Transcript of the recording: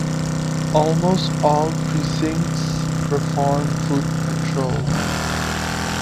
Almost all precincts perform foot patrol.